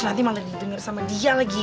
nanti malah didengar sama dia lagi